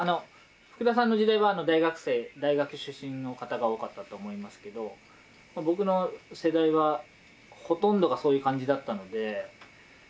福田さんの時代は大学生大学出身の方が多かったと思いますけど僕の世代はほとんどがそういう感じだったので。